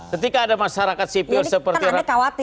ketika ada masyarakat sipil seperti rakyat